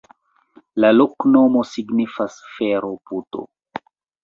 La loknomo signifas: fero-puto.